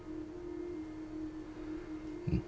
うん？